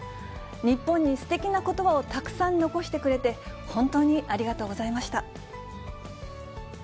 日本にすてきなことばをたくさん残してくれて、本当にありがとうございました。